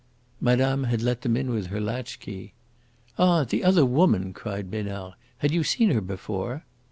"Madame had let them in with her latchkey." "Ah, the other woman!" cried Besnard. "Had you seen her before?"